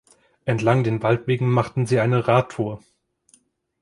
Entlang den Waldwegen machten sie eine Radtour.